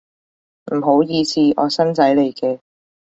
唔好意思，我新仔嚟嘅